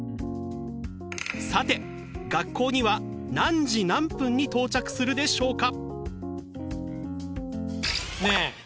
さて学校には何時何分に到着するでしょうか？